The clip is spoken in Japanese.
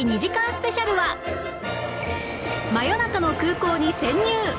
スペシャルは真夜中の空港に潜入